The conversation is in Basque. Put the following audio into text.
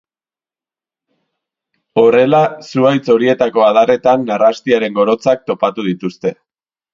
Horrela, zuhaitz horietako adarretan narrastiaren gorotzak topatu dituzte.